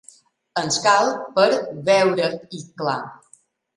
Ens cal per veure-hi clar.